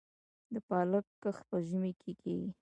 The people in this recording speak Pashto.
د پالک کښت په ژمي کې کیږي؟